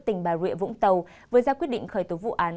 tỉnh bà rịa vũng tàu vừa ra quyết định khởi tố vụ án